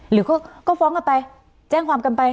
หรือก็ฟ้องกันไปแจ้งความกันไป